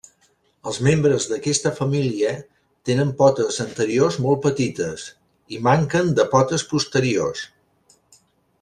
Els membres d'aquesta família tenen potes anteriors molt petites i manquen de potes posteriors.